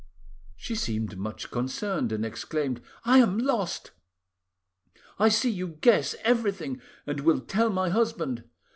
"She seemed much disconcerted, and exclaimed— "'I am lost! I see you guess everything, and will tell my husband.